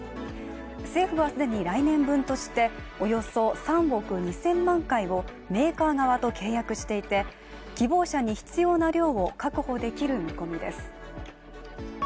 政府は既に来年分として、およそ３億２０００万回をメーカー側と契約していて、希望者に必要な量を確保できる見込みです。